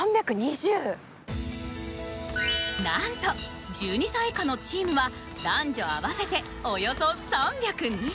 なんと１２歳以下のチームは男女合わせておよそ３２０。